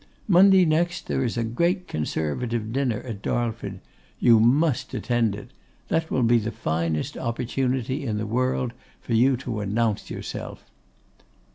Monday next, there is a great Conservative dinner at Darlford. You must attend it; that will be the finest opportunity in the world for you to announce yourself.